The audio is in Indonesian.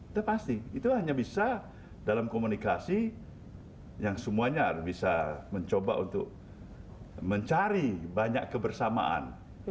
itu pasti itu hanya bisa dalam komunikasi yang semuanya bisa mencoba untuk mencari banyak kebersamaan